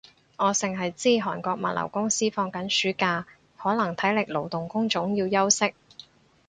我剩係知韓國物流公司放緊暑假，可能體力勞動工種要休息